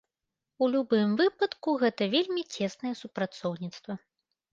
У любым выпадку, гэта вельмі цеснае супрацоўніцтва.